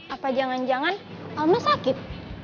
apa jangan jangan allah sakit